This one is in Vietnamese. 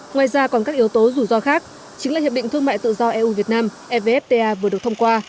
ngoài ra còn các yếu tố rủi ro khác chính là hiệp định thương mại tự do eu việt nam evfta vừa được thông qua